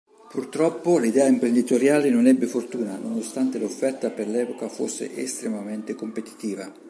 Purtroppo l'idea imprenditoriale non ebbe fortuna nonostante l'offerta per l'epoca fosse estremamente competitiva.